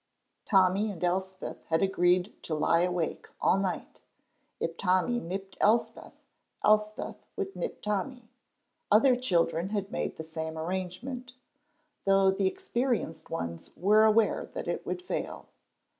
Tommy and Elspeth had agreed to lie awake all night; if Tommy nipped Elspeth, Elspeth would nip Tommy. Other children had made the same arrangement, though the experienced ones were aware that it would fail.